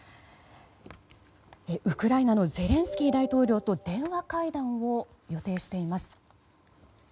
ウクライナのゼレンスキー大統領と電話会談を予定しています。